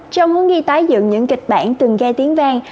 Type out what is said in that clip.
trong muốn ghi tái dựng những kịch bản từng gai tiếng vang